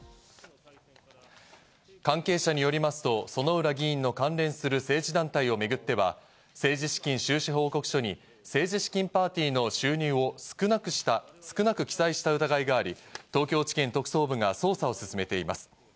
関係者によりますと薗浦議員の関連する政治団体をめぐっては、政治資金収支報告書に政治資金パーティーの収入を少なく記載した疑いがあり、東京地検特捜部が捜査を進めています。